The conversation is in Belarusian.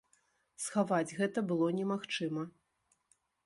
Схаваць гэта было немагчыма.